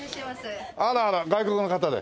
あらあら外国の方で？